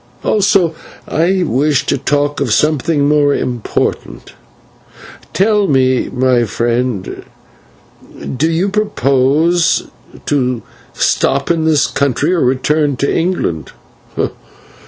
Also I wish to talk of something more important. Tell me, friend, do you propose to stop in this country, or to return to England?"